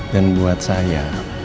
dan buat saya